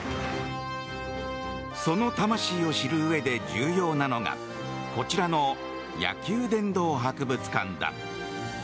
その魂を知るうえで重要なのがこちらの野球殿堂博物館だ。